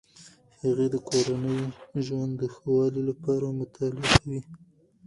هغې د کورني ژوند د ښه والي لپاره مطالعه کوي.